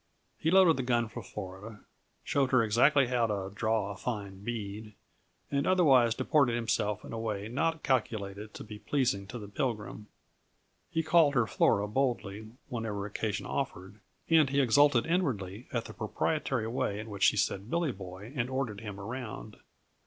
He loaded the gun for Flora, showed her exactly how to "draw a fine bead," and otherwise deported himself in a way not calculated to be pleasing to the Pilgrim. He called her Flora boldly whenever occasion offered, and he exulted inwardly at the proprietary way in which she said "Billy Boy" and ordered him around.